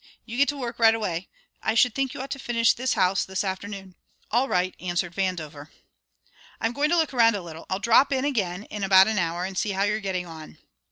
You get to work right away. I should think you ought to finish this house this afternoon." "All right," answered Vandover. "I'm going to look around a little. I'll drop in again in about an hour and see how you're getting on."